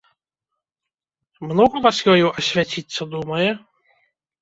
Многа вас ёю асвяціцца думае?